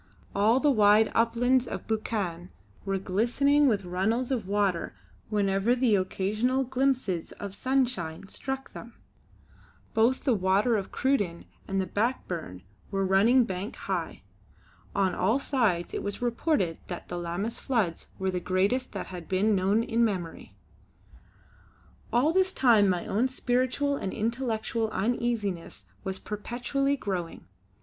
All the wide uplands of Buchan were glistening with runnels of water whenever the occasional glimpses of sunshine struck them. Both the Water of Cruden and the Back Burn were running bank high. On all sides it was reported that the Lammas floods were the greatest that had been known in memory. All this time my own spiritual and intellectual uneasiness was perpetually growing.